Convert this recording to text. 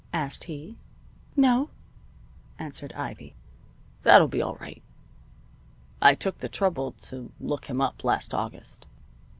asked he. "No," answered Ivy. "That'll be all right. I took the trouble to look him up last August."